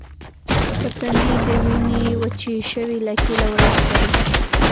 پر تندي يې د وینې وچې شوې لکې له ورایه ښکارېدې.